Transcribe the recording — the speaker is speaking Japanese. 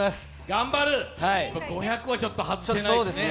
５００はちょっと外せないですね。